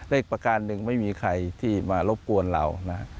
อีกประการหนึ่งไม่มีใครที่มารบกวนเรานะฮะ